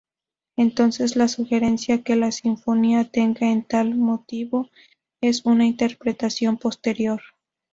Entonces, la sugerencia que la sinfonía tenga un tal motivo es una interpretación posterior.